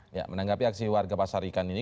ya menanggapi aksi warga pasar ikan ini